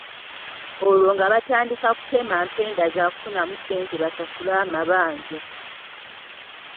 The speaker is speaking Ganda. Olwo nga batandika kutema mpenda zaakufunamu ssente basasule amabanja.